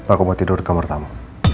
aku mau tidur di kamar tamu